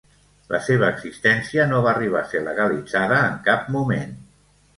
La seva existència no va arribar a ser legalitzada en cap moment.